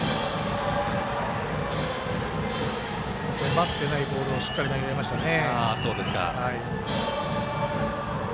待ってないボールをしっかり投げられましたね。